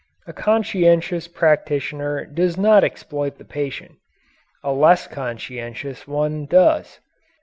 A conscientious practitioner does not exploit the patient. A less conscientious one does.